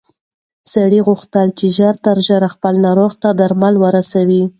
سړي غوښتل چې ژر تر ژره خپل ناروغ ته درمل ورسوي.